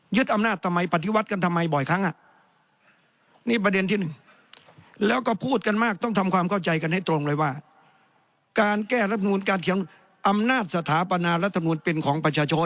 ยึดอำนาจทำไมปฏิวัติกันทำไมบ่อยครั้ง